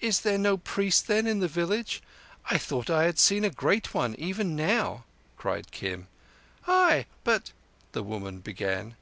"Is there no priest, then, in the village? I thought I had seen a great one even now," cried Kim. "Ay—but—" the woman began.